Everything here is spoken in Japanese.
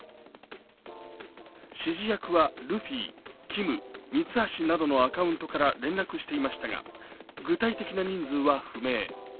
指示役はルフィ、キム、ミツハシなどのアカウントから連絡していましたが、具体的な人数は不明。